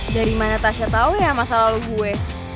dari mana tasya tau ya masalah lo gue